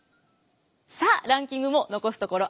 さあランキングも残すところ